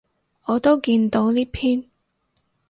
我都見到呢篇